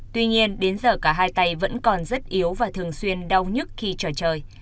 tuy nhiên đến giờ cả hai tay vẫn còn rất yếu và thường xuyên đau nhất khi trở trời